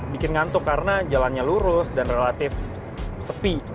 bikin ngantuk karena jalannya lurus dan relatif sepi